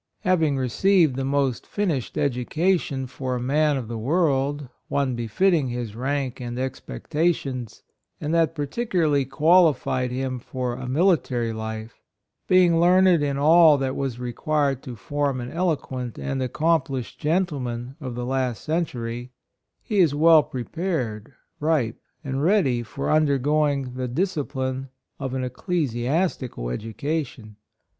& M^^pSAYING received the ;j§ most finished educa tion for a man of the world, " one befitting his rank and expectations, and that particularly qualified him for a military life — being learned in all that was required to form an elo quent and accomplished gentleman of the last century," he is well pre pared, ripe and ready for undergo 39 40 AN ECCLESIASTIC, ing the discipline of an ecclesiasti cal education.